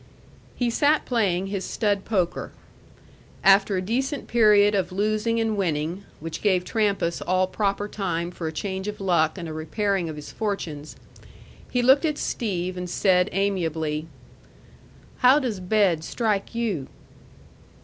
He sat playing his stud poker. After a decent period of losing and winning, which gave Trampas all proper time for a change of luck and a repairing of his fortunes, he looked at Steve and said amiably: "How does bed strike you?"